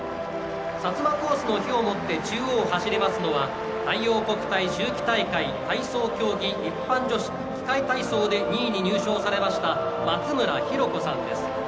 薩摩コースの火を持って中央を走りますのは太陽国体秋季大会体操競技一般女子器械体操で２位に入賞されました松村弘子さんです。